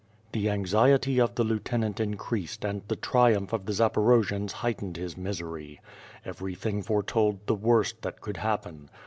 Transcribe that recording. The anxiety of the lieutenant increased and the triumph of the Zaporojians heightened his misery. Everything fore told the worst that could happen.